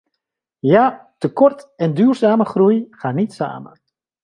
Ja, tekort en duurzame groei gaan niet samen.